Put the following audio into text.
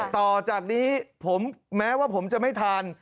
ต่อจากนี้ผมแม้ว่าผมจะไม่ทาน